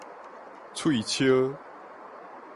喙 𪁎